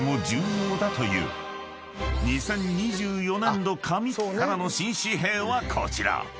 ［２０２４年度上期からの新紙幣はこちら］